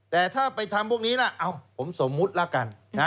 แต่ถ้าไปทำพวกนี้นะผมสมมุติละกัน